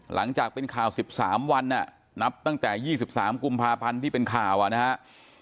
หลังจากเป็นข่าว๑๓วันนับตั้งแต่๒๓กุมภาพันธ์ที่เป็นข่าวนะครับ